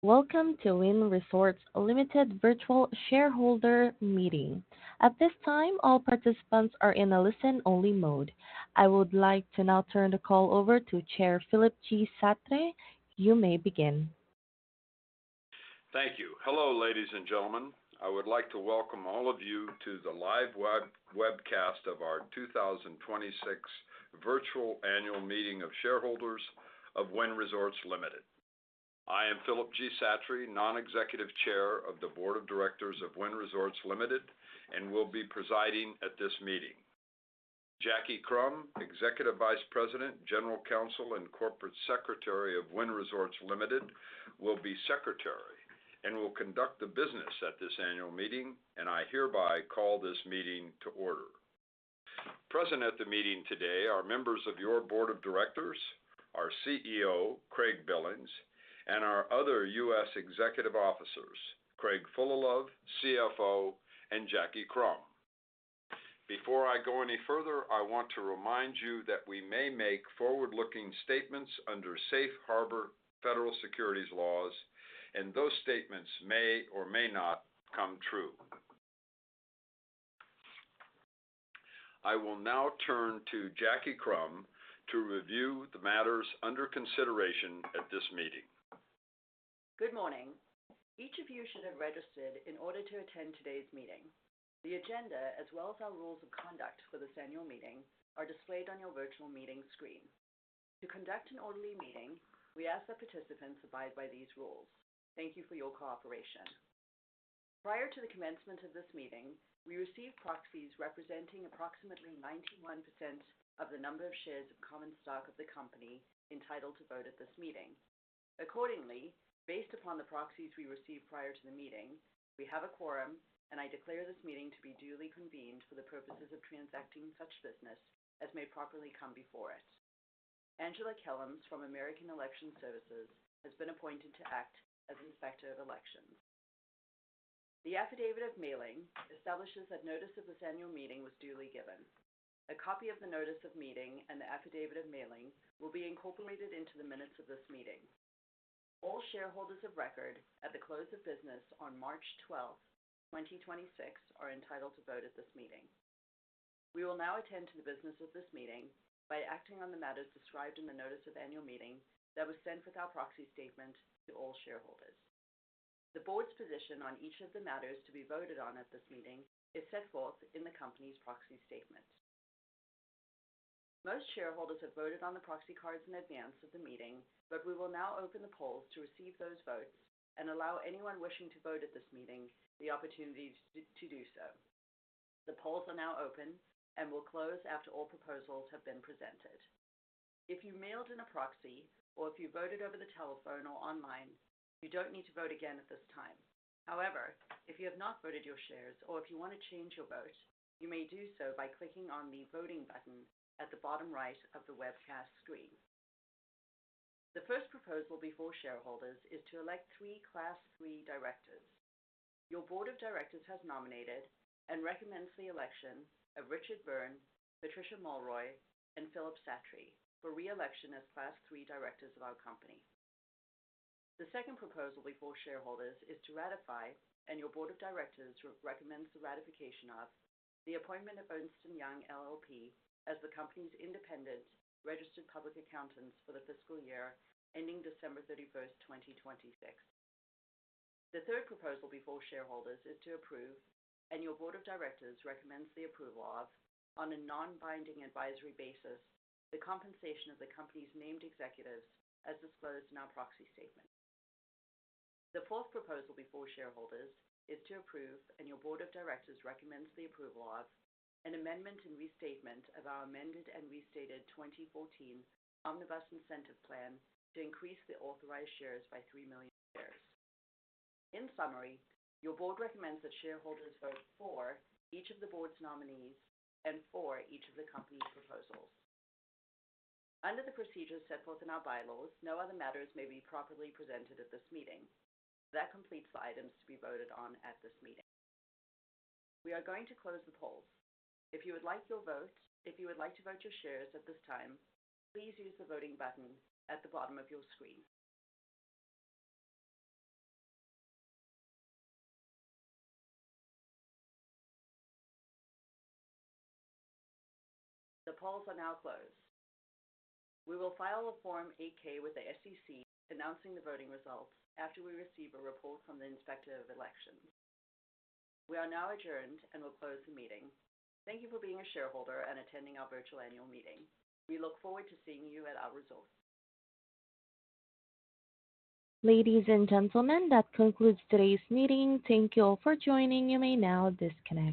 Welcome to Wynn Resorts Ltd virtual shareholder meeting. At this time, all participants are in a listen-only mode. I would like to now turn the call over to Chair Philip G. Satre. You may begin. Thank you. Hello, ladies and gentlemen. I would like to welcome all of you to the live webcast of our 2026 virtual annual meeting of shareholders of Wynn Resorts Ltd. I am Philip G. Satre, Non-Executive Chair of the Board of Directors of Wynn Resorts Ltd, and will be presiding at this meeting. Jacqui Krum, Executive Vice President, General Counsel, and Corporate Secretary of Wynn Resorts Ltd, will be Secretary and will conduct the business at this annual meeting, and I hereby call this meeting to order. Present at the meeting today are members of your board of directors, our CEO, Craig Billings, and our other U.S. executive officers, Craig Fullilove, CFO, and Jacqui Krum. Before I go any further, I want to remind you that we may make forward-looking statements under safe harbor federal securities laws, and those statements may or may not come true. I will now turn to Jacqui Krum to review the matters under consideration at this meeting. Good morning. Each of you should have registered in order to attend today's meeting. The agenda, as well as our rules of conduct for this annual meeting, are displayed on your virtual meeting screen. To conduct an orderly meeting, we ask that participants abide by these rules. Thank you for your cooperation. Prior to the commencement of this meeting, we received proxies representing approximately 91% of the number of shares of common stock of the company entitled to vote at this meeting. Accordingly, based upon the proxies we received prior to the meeting, we have a quorum, and I declare this meeting to be duly convened for the purposes of transacting such business as may properly come before us. Angela Kellems from American Election Services has been appointed to act as Inspector of Elections. The Affidavit of Mailing establishes that notice of this annual meeting was duly given. A copy of the notice of meeting and the Affidavit of Mailing will be incorporated into the minutes of this meeting. All shareholders of record at the close of business on March 12th, 2026 are entitled to vote at this meeting. We will now attend to the business of this meeting by acting on the matters described in the notice of annual meeting that was sent with our proxy statement to all shareholders. The board's position on each of the matters to be voted on at this meeting is set forth in the company's proxy statement. Most shareholders have voted on the proxy cards in advance of the meeting, but we will now open the polls to receive those votes and allow anyone wishing to vote at this meeting the opportunity to do so. The polls are now open and will close after all proposals have been presented. If you mailed in a proxy or if you voted over the telephone or online, you don't need to vote again at this time. However, if you have not voted your shares or if you want to change your vote, you may do so by clicking on the voting button at the bottom right of the webcast screen. The first proposal before shareholders is to elect three Class III directors. Your board of directors has nominated and recommends the election of Richard J. Byrne, Patricia Mulroy, and Philip G. Satre for re-election as Class III directors of our company. The second proposal before shareholders is to ratify, and your board of directors recommends the ratification of, the appointment of Ernst & Young LLP as the company's independent registered public accountants for the fiscal year ending December 31st, 2026. The third proposal before shareholders is to approve, and your Board of Directors recommends the approval of, on a non-binding advisory basis, the compensation of the company's named executives as disclosed in our proxy statement. The fourth proposal before shareholders is to approve, and your Board of Directors recommends the approval of, an amendment and restatement of our amended and restated 2014 Omnibus Incentive Plan to increase the authorized shares by 3 million shares. In summary, your Board recommends that shareholders vote for each of the Board's nominees and for each of the company's proposals. Under the procedures set forth in our bylaws, no other matters may be properly presented at this meeting. That completes the items to be voted on at this meeting. We are going to close the polls. If you would like to vote your shares at this time, please use the voting button at the bottom of your screen. The polls are now closed. We will file a Form 8-K with the SEC announcing the voting results after we receive a report from the Inspector of Elections. We are now adjourned and will close the meeting. Thank you for being a shareholder and attending our virtual annual meeting. We look forward to seeing you at our resorts. Ladies and gentlemen, that concludes today's meeting. Thank you all for joining. You may now disconnect.